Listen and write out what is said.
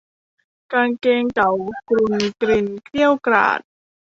กางเกงเก่ากรุ่นกลิ่นเกรี้ยวกราด